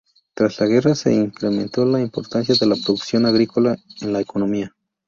Tras la guerra se incrementó la importancia de la producción agrícola en la economía.